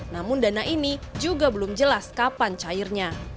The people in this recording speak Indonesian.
namun dana ini juga belum jelas kapan cairnya